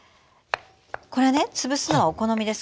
これね潰すのはお好みです。